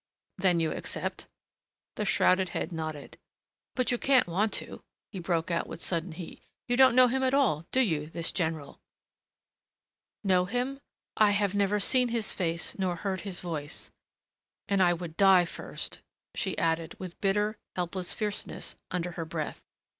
"Then you accept ?" The shrouded head nodded. "But you can't want to," he broke out with sudden heat. "You don't know him at all, do you this general?" "Know him? I have never seen his face nor heard his voice and I would die first," she added with bitter, helpless fierceness under her breath.